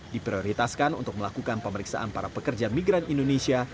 diprioritaskan untuk melakukan pemeriksaan para pekerja migran indonesia